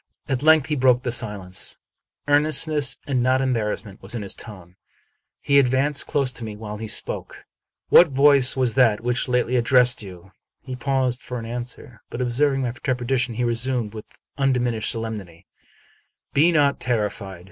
At length he broke silence. Earnestness, and not embarrassment, was in his tone. He advanced close to me while he spoke: — 260 Charles Brockdcn Brotvn " What voice was that which lately addressed you ?" He paused for an answer; but, observing my trepidation, he resumed, with undiminished solemnity, " Be not terrified.